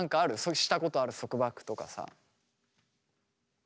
したことある束縛とかさ。